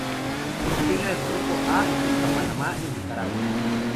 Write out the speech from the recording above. Integraría el grupo "A" junto a Panamá y Nicaragua.